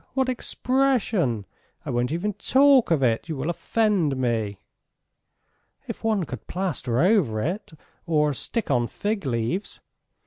what expression! I won't even talk of it! You will offend me!" "If one could plaster it over or stick on fig leaves ..